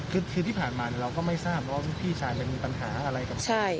คือที่ผ่านมาเราก็ไม่ทราบว่าพี่ชายไปมีปัญหาอะไรกับใคร